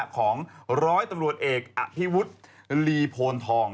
ของร้อยตำรวจเอกอภิวุฒิลีโพนทอง